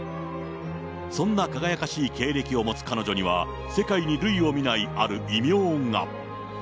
そんな輝かしい経歴を持つ彼女には、世界に類を見ない、ある異名が。